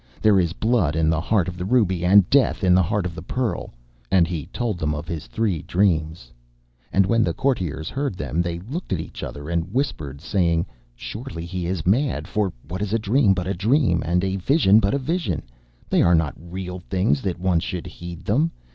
There is Blood in the heart of the ruby, and Death in the heart of the pearl.' And he told them his three dreams. And when the courtiers heard them they looked at each other and whispered, saying: 'Surely he is mad; for what is a dream but a dream, and a vision but a vision? They are not real things that one should heed them.